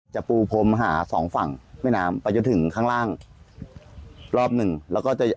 ปูพรมหาสองฝั่งแม่น้ำไปจนถึงข้างล่างรอบหนึ่งแล้วก็จะ